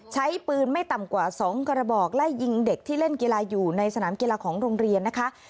ใช้ปืนไม่ต่ำกว่า๒กระบอกไล่ยิงเด็กที่เล่นกีฬาอยู่ในสนามกีฬาของโรงเรียนนะคะ